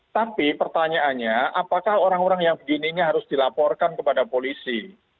tapi pertanyaannya apakah orang orang yang begininya harus dilaporkan kepada polisi